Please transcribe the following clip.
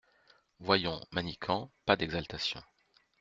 Voyons, Manicamp, pas d’exaltation…